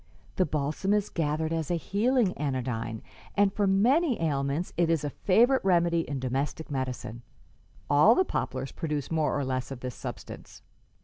The balsam is gathered as a healing anodyne, and for many ailments it is a favorite remedy in domestic medicine. All the poplars produce more or less of this substance.